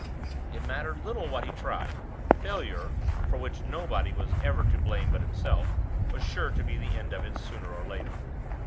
It mattered little what he tried failure (for which nobody was ever to blame but himself) was sure to be the end of it, sooner or later.